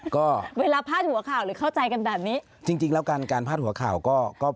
ก็เวลาพลาดหัวข่าวหรือเข้าใจกันอันนี้จริงแล้วกันการพลาดหัวข่าวก็